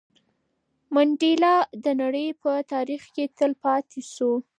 منډېلا د نړۍ په تاریخ کې تل پاتې شو.